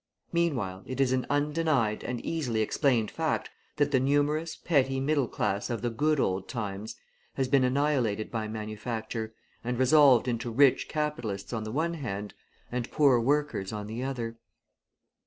Meanwhile, it is an undenied and easily explained fact that the numerous, petty middle class of the "good old times" has been annihilated by manufacture, and resolved into rich capitalists on the one hand and poor workers on the other.